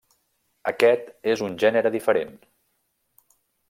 Aquest és un gènere diferent.